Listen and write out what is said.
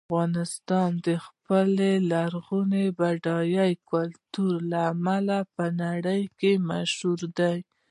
افغانستان د خپل لرغوني او بډایه کلتور له امله په نړۍ کې مشهور دی.